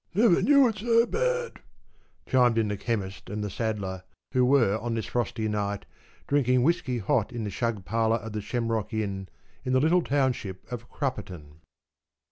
‘Never knew it so bad,’ chimed in the Chemist and the Saddler, who were on this frosty night drinking whisky hot in the shug parlour of the Shamrock Inn in the little township of Crupperton.